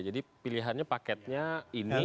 jadi pilihannya paketnya ini